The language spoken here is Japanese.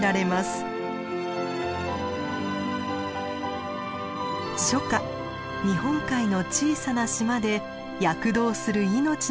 初夏日本海の小さな島で躍動する命の営みを見つめます。